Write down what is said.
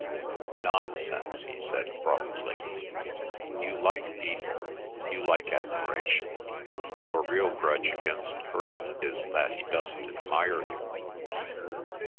"Nonsense," he said abruptly. "You like people. You like admiration. Your real grudge against Hirst is that he doesn't admire you."